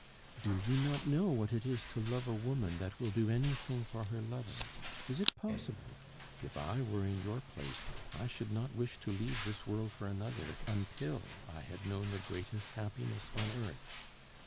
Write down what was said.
"Do you not know what it is to love a woman that will do anything for her lover? Is it possible? If I were in your place, I should not wish to leave this world for another until I had known the greatest happiness on earth!...